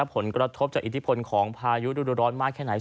ผลกระทบจากอิทธิพลของพายุดูร้อนมากแค่ไหน